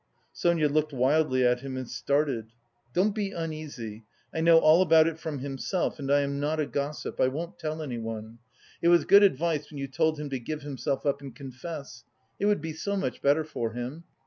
(Sonia looked wildly at him, and started.) "Don't be uneasy, I know all about it from himself and I am not a gossip; I won't tell anyone. It was good advice when you told him to give himself up and confess. It would be much better for him.